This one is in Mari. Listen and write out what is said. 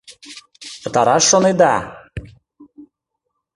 Пытараш шонеда!